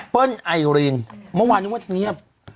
เมื่อวันนี้